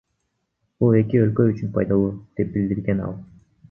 Бул эки өлкө үчүн пайдалуу, — деп билдирген ал.